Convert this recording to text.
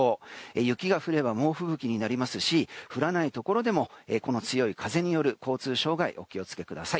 雪が降れば猛吹雪になりますし降らないところでも強い風による交通障害にお気を付けください。